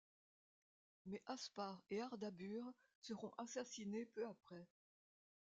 Mais Aspar et Ardabur seront assassinés peu après.